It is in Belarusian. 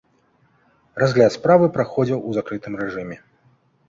Разгляд справы праходзіў у закрытым рэжыме.